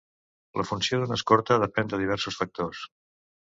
La funció d'un escorta depèn de diversos factors.